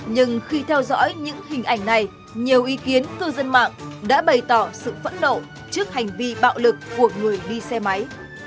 nhưng khi theo dõi những hình ảnh này nhiều ý kiến cư dân mạng đã bày tỏ sự phẫn nộ trước hành vi bạo lực của người đi xe máy